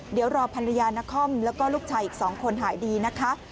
เดี๋ยวรอภรรยานครแล้วก็ลูกชายอีก๒คนหายดีนะคะ